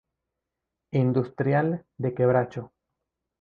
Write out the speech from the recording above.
Industrial de Quebracho.